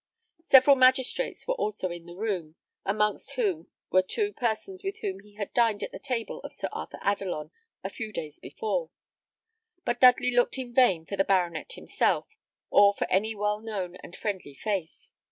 Several magistrates were also in the room, amongst whom were two persons with whom he had dined at the table of Sir Arthur Adelon a few days before; but Dudley looked in vain for the baronet himself, or for any well known and friendly face.